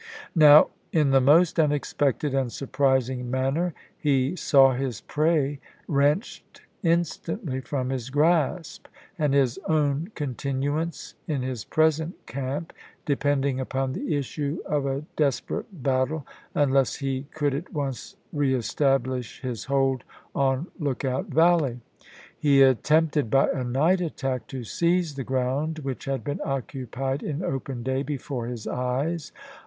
Now in the most unexpected and surprising manner he saw his prey wrenched instantly from his grasp, and his own continuance in his present camp depending upon the issue of a desperate battle, unless he could at once reestablish his hold on Lookout Valley. He attempted by a night attack to seize the ground Oct. 29, 1803. which had been occupied in open day before his eyes.